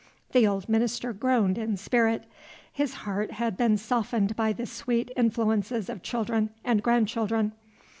The old minister groaned in spirit. His heart had been softened by the sweet influences of children and grandchildren.